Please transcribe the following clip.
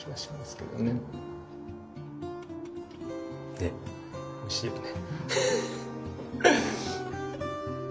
ねおいしいよね。